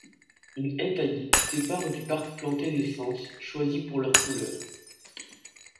Une haie taillée sépare du parc planté d'essences choisies pour leurs couleurs.